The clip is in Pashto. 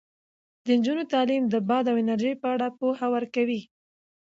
د نجونو تعلیم د باد د انرژۍ په اړه پوهه ورکوي.